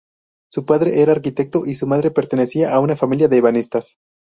Su padre era arquitecto y su madre pertenecía a una familia de ebanistas.